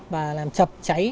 và làm chập cháy